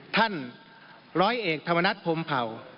ท่านร้อยเอกธรรมนัฐพรมเผ่า